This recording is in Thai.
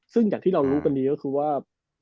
ซึ่งอย่างที่เรารู้กันดีก็คือว่า